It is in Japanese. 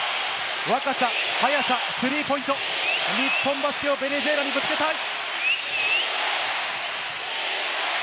若さ、速さ、スリーポイント、日本バスケをベネズエラにぶつけたい。